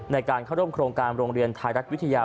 ในการเข้าร่วมโครงการโรงเรียนไทยรัฐวิทยา